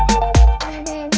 kau mau kemana